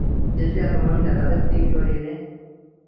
দেশে এত মহিলা, তাদের দিয়ে করিয়ে নে।